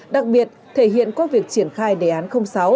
đặc biệt thể hiện qua việc triển khai đề án sáu